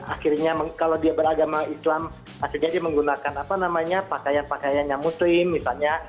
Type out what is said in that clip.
akhirnya kalau dia beragama islam akhirnya dia menggunakan apa namanya pakaian pakaian yang muslim misalnya